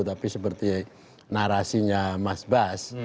tapi seperti narasinya mas bas